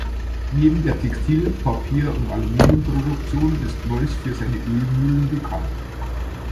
Neben der Textil-, Papier- und Aluminium-Produktion ist Neuss für seine Ölmühlen bekannt.